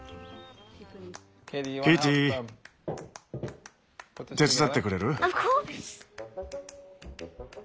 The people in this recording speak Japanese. ケイティ手伝ってくれる？